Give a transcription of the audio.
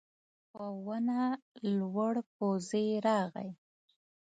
په ونه لوړ پوځي راغی.